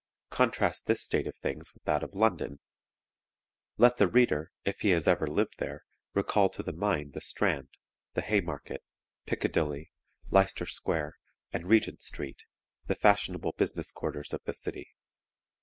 Contrast this state of things with that of London. Let the reader, if he has ever lived there, recall to mind the Strand, the Haymarket, Piccadilly, Leicester Square, and Regent Street the fashionable business quarters of the city.